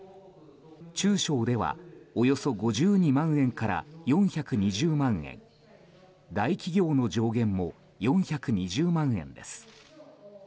中小ではおよそ５２万円から４２０万円大企業の上限も４２０万円です。